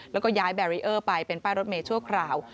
แล้วก็ย้ายแบรีเออร์ไปเป็นป้ายรถเมย์ชั่วคราว